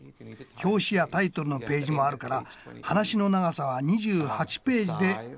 表紙やタイトルのページもあるから話の長さは２８ページでまとめなければいけないんだ。